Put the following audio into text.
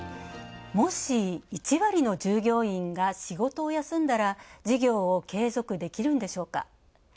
もし１割の従業員が仕事を休んだら、事業を継続できるんでしょうか。